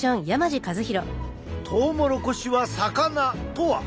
トウモロコシは魚とは？